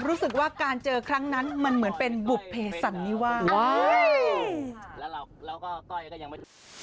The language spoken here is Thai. รู้สึกว่าการเจอครั้งนั้นมันเหมือนเป็นบุเผสันนิวา